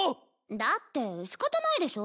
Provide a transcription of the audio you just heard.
だって仕方ないでしょ。